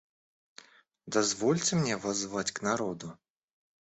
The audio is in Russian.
Дозвольте мне воззвать к народу.